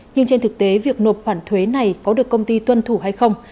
nhưng trên thực tế việc nộp khoản thuế này có được công ty tuân thủ hay không